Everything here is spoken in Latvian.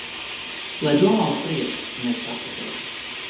Lai domā uz priekšu, nevis atpakaļ.